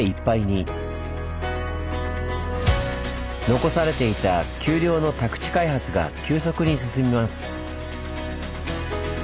残されていた丘陵の宅地開発が急速に進みます。